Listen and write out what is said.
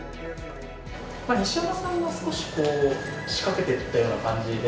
西山さんが少しこう仕掛けてったような感じですかね。